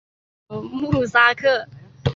穆萨克。